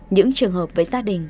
những trường hợp với gia đình